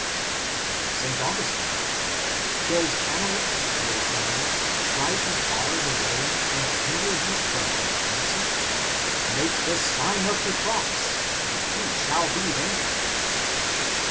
"f And St. Augustin: "Does Amalec, your enemy, try to bar the way and hinder you from advancing? Make the Sign of the Cross, and he shall be vanquished."!